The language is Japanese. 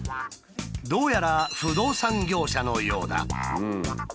どうやら不動産業者のようだ。